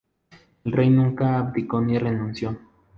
El rey nunca abdicó ni renunció.